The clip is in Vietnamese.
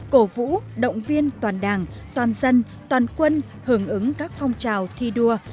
cổ vũ động viên toàn đảng toàn dân toàn quân hưởng ứng các phong trào thi đua